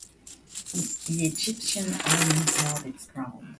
The Egyptian army held its ground.